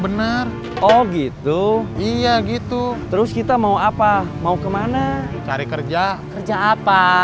bener oh gitu iya gitu terus kita mau apa mau kemana cari kerja kerja apa